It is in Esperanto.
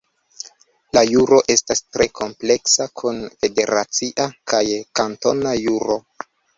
La juro estas tre kompleksa kun federacia kaj kantona juro.